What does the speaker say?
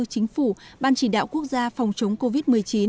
chính phủ ban chỉ đạo quốc gia phòng chống covid một mươi chín